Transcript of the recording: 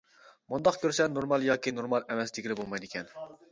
مۇنداق كۆرسە نورمال ياكى نورمال ئەمەس دېگىلى بولمايدىكەن.